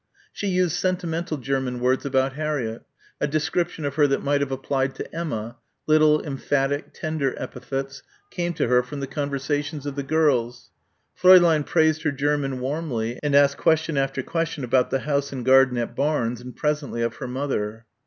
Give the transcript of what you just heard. She used sentimental German words about Harriett a description of her that might have applied to Emma little emphatic tender epithets came to her from the conversations of the girls. Fräulein praised her German warmly and asked question after question about the house and garden at Barnes and presently of her mother.